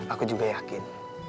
aku juga yakin